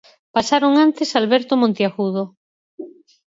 Pasaron antes Alberto Monteagudo.